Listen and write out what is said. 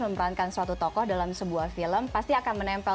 memerankan suatu tokoh dalam sebuah film pasti akan menempel